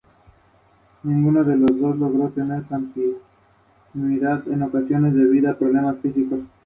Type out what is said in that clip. Hay dos puntos de acceso para bañarse en el río Kama.